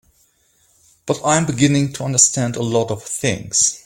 But I'm beginning to understand a lot of things.